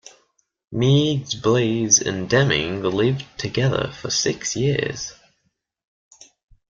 Meigs, Blais, and Deming lived together for six years.